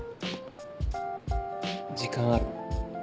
時間ある？